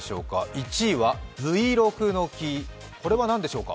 １位はブイロクの木、これは何でしょうか。